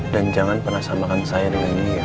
dan jangan pernah samakan saya dengan dia